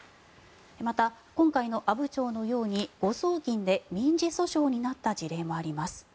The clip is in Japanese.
また、今回の阿武町のように誤送金で民事訴訟になった事例もあります。